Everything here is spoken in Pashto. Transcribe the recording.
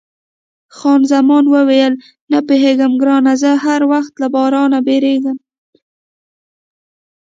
خان زمان وویل، نه پوهېږم ګرانه، زه هر وخت له بارانه بیریږم.